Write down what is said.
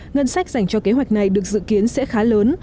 ngân sách dành cho kế hoạch này được dự kiến sẽ khá lớn